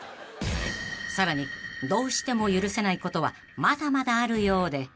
［さらにどうしても許せないことはまだまだあるようで］